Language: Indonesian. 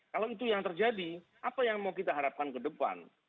kalau itu yang terjadi apa yang mau kita harapkan ke depan